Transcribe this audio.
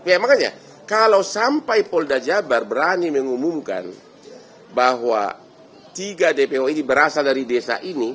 ya makanya kalau sampai polda jabar berani mengumumkan bahwa tiga dpo ini berasal dari desa ini